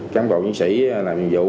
cám bộ nhân sĩ làm nhiệm vụ